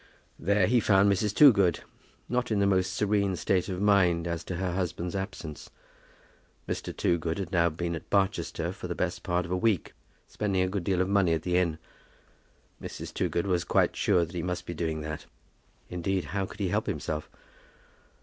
There he found Mrs. Toogood, not in the most serene state of mind as to her husband's absence. Mr. Toogood had now been at Barchester for the best part of a week, spending a good deal of money at the inn. Mrs. Toogood was quite sure that he must be doing that. Indeed, how could he help himself?